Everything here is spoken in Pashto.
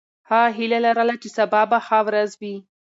هغه هیله لرله چې سبا به ښه ورځ وي.